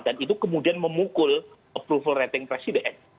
dan itu kemudian memukul approval rating presiden